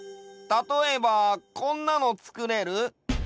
たとえばこんなのつくれる？